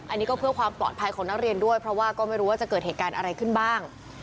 อันนี้ก็เพื่อความปลอดภัยของนักเรียนด้วยเพราะว่าก็ไม่รู้ว่าจะเกิดเหตุการณ์อะไรขึ้นบ้าง